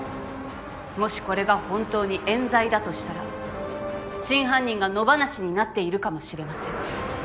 もしこれが本当にえん罪だとしたら真犯人が野放しになっているかもしれません。